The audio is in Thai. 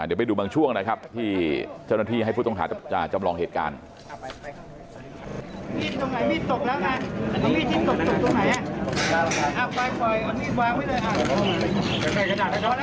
เดี๋ยวไปดูบางช่วงนะครับที่เจ้าหน้าที่ให้ผู้ต้องหาจำลองเหตุการณ์